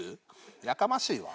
やかましいわ。